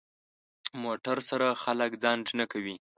موټر سره خلک ځنډ نه کوي.